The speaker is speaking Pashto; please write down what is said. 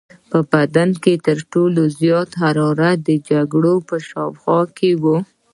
په بدن کې تر ټولو زیاته حرارت د جگر په شاوخوا کې وي.